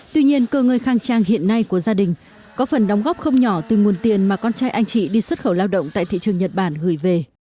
tuy nhiên cơ ngơi khang trang hiện nay của gia đình có phần đóng góp không nhỏ từ nguồn tiền mà con trai anh chị đi xuất khẩu lao động tại thị trường nhật bản gửi về